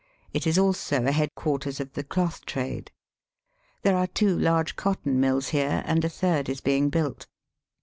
It is also a head quarters of the cloth trade. There are two large cotton mills here, and a third is being built.